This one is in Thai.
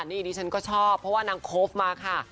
นี่ดิฉันก็ชอบเพราะว่านางโคฟมาค่ะ